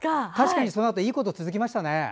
確かに、そのあといいことが続きましたね。